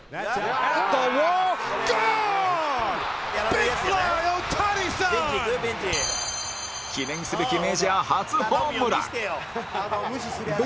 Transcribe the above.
ベンチいく？ベンチ」記念すべきメジャー初ホームラン